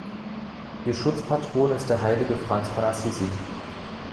Ihr Schutzpatron ist der heilige Franz von Assisi.